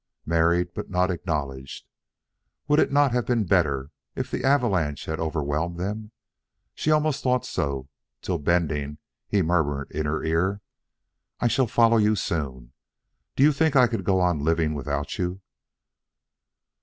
Married but not acknowledged! Would it not have been better if the avalanche had overwhelmed them? She almost thought so, till bending, he murmured in her ear: "I shall follow you soon. Did you think I could go on living without you?"